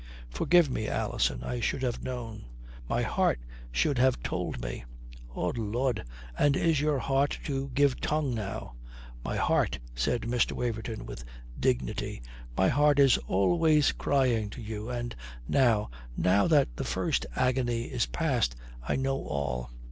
"Forgive me, Alison, I should have known. My heart should have told me." "Oh Lud, and is your heart to give tongue now?" "My heart," said Mr. Waverton with dignity, "my heart is always crying to you. And now now that the first agony is past, I know all."